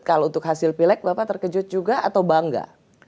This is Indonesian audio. kalau untuk hasil pilek bapak terkejut juga atau bangga